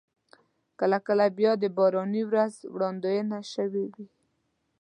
کله کله بیا د باراني ورځ وړاندوينه شوې وي.